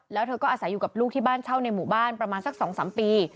แล้วเธอก็อาศัยอยู่กับลูกที่บ้านเช่าในหมู่บ้านประมาณสัก๒๓ปี